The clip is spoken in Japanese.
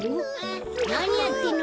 なにやってんの？